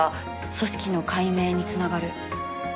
組織の解明に繋がる。